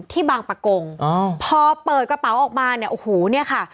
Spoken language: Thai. บางปะกงพอเปิดกระเป๋าออกมาเนี่ยโอ้โหเนี่ยค่ะ